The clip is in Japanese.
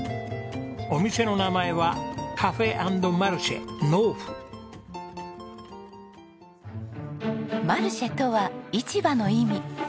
お店の名前はマルシェとは市場の意味。